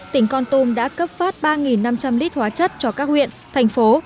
tỉnh con tum đã cấp phát ba năm trăm linh lít hóa chất cho các huyện thành phố